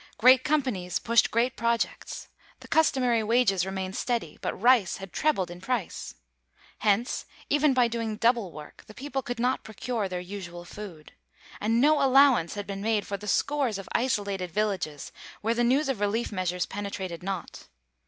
Great companies pushed great projects. The customary wages remained steady; but rice had trebled in price. Hence, even by doing double work the people could not procure their usual food. And no allowance had been made for the scores of isolated villages where the news of relief measures penetrated not.